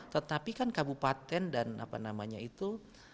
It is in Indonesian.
tetapi kan kabupaten dan apa namanya itu